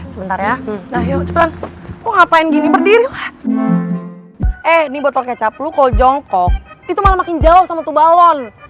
sebentar ya coba ngapain gini berdiri nih botol kecap lu kalau jongkok itu makin jauh sama tubawon